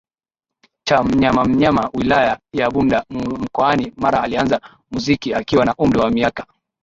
cha Manyamanyama wilaya ya Bunda mkoani Mara alianza muziki akiwa na umri wa miaka